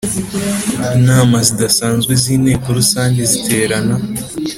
Inama zidasanzwe z inteko rusange ziterana